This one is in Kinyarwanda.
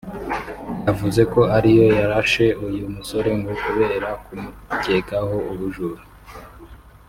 yavuze ko ariyo yarashe uyu musore ngo kubera kumukekaho ubujura